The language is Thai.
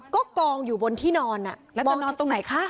ก็กองอยู่บนที่นอนแล้วจะนอนตรงไหนคะ